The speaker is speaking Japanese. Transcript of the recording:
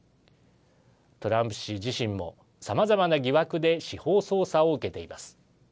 トランプ氏自身もさまざまな疑惑で司法捜査を受けています。